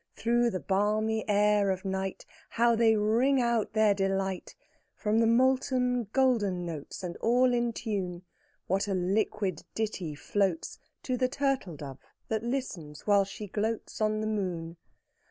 Through the balmy air of night How they ring out their delight! From the molten golden notes, And all in tune, What a liquid ditty floats To the turtle dove that listens, while she gloats On the moon!